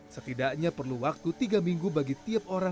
setidaknya perlu waktu tiga minggu berhenti untuk mencari pekerjaan